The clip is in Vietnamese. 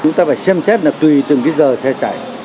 chúng ta phải xem xét là tùy từng cái giờ xe chạy